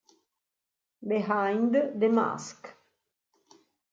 Behind the Mask